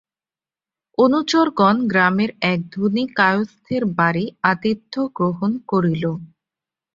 অনুচরগণ গ্রামের এক ধনী কায়সেথর বাড়ি আতিথ্য গ্রহণ করিল।